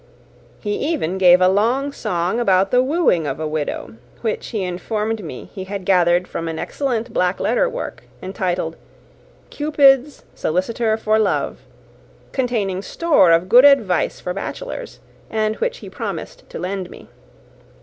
He even gave a long song about the wooing of a widow, which he informed me he had gathered from an excellent black letter work, entitled "Cupid's Solicitor for Love," containing store of good advice for bachelors, and which he promised to lend me.